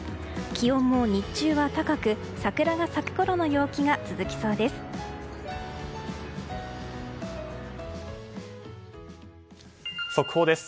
気温も日中は高く桜が咲くころの陽気が続きそうです。